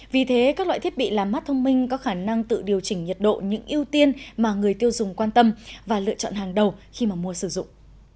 vì thế các loại thiết bị làm mát thông minh có khả năng tự điều chỉnh nhiệt độ những ưu tiên mà người tiêu dùng quan tâm và lựa chọn hàng đầu khi mà mua sử dụng